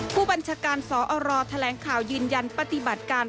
ผู้บัญชาการสอรแถลงข่าวยืนยันปฏิบัติการ